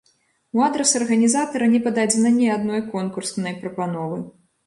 У адрас арганізатара не пададзена ні адной конкурснай прапановы.